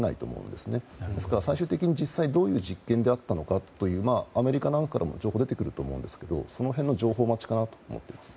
ですから、最終的に実際にどういう実験だったのかというのはアメリカなんかからも情報出てくると思うんですがその辺の情報待ちかなと思います。